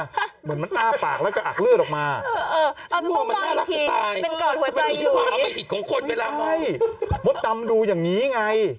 เหมือนมันอ้าปากแล้วกระอักเลือดออกมาเออเออมดำดูอย่างนี้ไง